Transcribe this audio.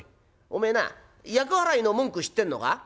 おめえな厄払いの文句知ってんのか？」。